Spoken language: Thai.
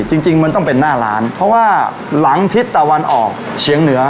จริงจริงมันต้องเป็นหน้าร้านเพราะว่าหลังทิศตะวันออกเฉียงเหนือ